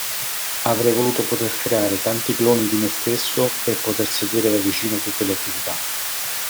Avrei voluto poter creare tanti cloni di me stesso per poter seguire da vicino tutte le attività.